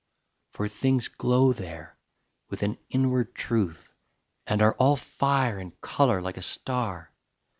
For things glow There with an inward truth and are All fire and colour like a star.